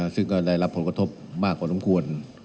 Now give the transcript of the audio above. ซึ่งก็ได้รับผลกระทบมากกว่าสมควร